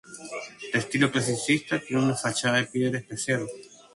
De estilo clasicista, tiene una fachada de piedra especial.